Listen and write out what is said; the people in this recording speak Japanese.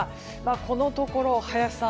このところ林さん